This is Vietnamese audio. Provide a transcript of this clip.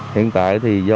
hiện tại thì do